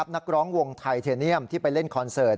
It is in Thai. นักร้องวงไทเทเนียมที่ไปเล่นคอนเสิร์ต